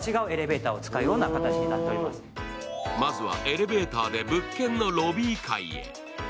まずはエレベーターで物件のロビー階へ。